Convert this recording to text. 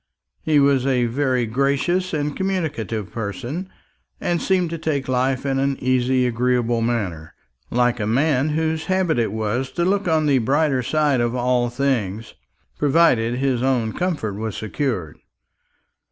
He was a very gracious and communicative person, and seemed to take life in an easy agreeable manner, like a man whose habit it was to look on the brighter side of all things, provided his own comfort was secured.